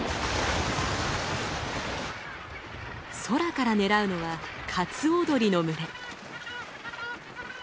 空から狙うのはカツオドリの群れ。